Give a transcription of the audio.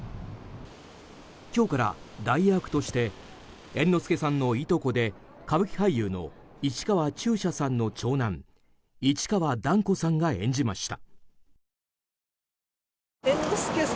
今日から代役として猿之助さんのいとこで歌舞伎俳優の市川中車さんの長男市川團子さんが演じました。